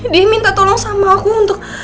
dia minta tolong sama aku untuk